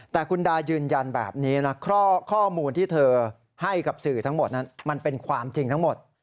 แต่คุณดายืนยันแบบนี้นะข้อมูลที่เธอให้กับสื่อทั้งหมดนั้นมันเป็นความจริงทั้งหมด